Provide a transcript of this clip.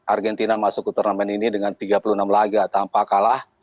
argentina masuk ke turnamen ini dengan tiga puluh enam laga tanpa kalah